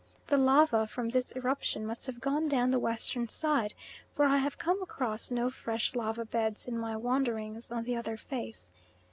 The lava from this eruption must have gone down the western side, for I have come across no fresh lava beds in my wanderings on the other face.